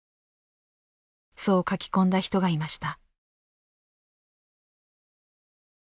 そう書き込んだ人がいました。